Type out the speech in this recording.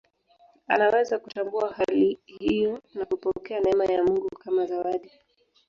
Anaweza kutambua hali hiyo na kupokea neema ya Mungu kama zawadi.